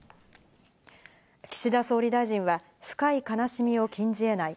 岸田総理大臣は、深い悲しみを禁じ得ない。